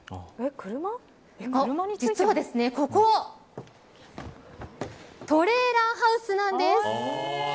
実はここトレーラーハウスなんです。